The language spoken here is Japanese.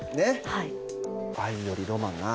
はい。